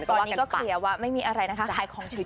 ตอนนี้ก็เคลียร์ว่าไม่มีอะไรนะคะจะหายคลอร์เฉย